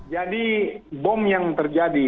jadi bom yang terjadi